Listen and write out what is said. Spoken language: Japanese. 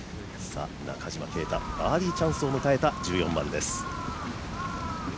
中島啓太、バーディーチャンスを迎えた１４番です。